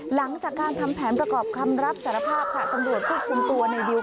หลังจากการทำแผนประกอบคำรับสารภาพค่ะตำรวจควบคุมตัวในดิว